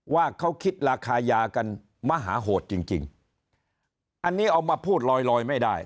ว่าเขาคิดราคายากันมหาโหดจริงจริงอันนี้เอามาพูดลอยลอยไม่ได้